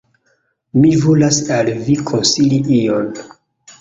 Mi volas al Vi konsili ion!